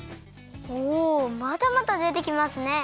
おおまだまだでてきますね。